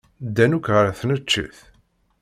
Ddan akk ɣer tneččit.